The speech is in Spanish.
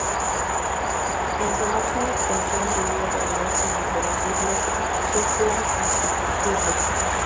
En su máxima extensión debía de hablarse desde las islas Shetland hasta Fife.